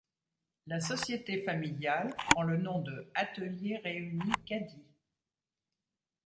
La société familiale prend le nom de Ateliers Réunis Caddie.